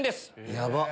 ヤバっ。